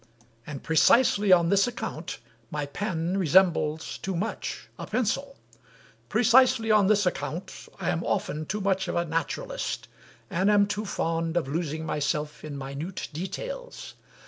And precisely on this account my pen resembles too much a pencil; precisely on this account I am often too much of a naturalist, and am too fond of losing myself in minute details.